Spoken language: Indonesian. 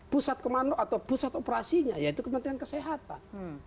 pusat kemanusiaan atau pusat operasinya yaitu kepentingan kesehatan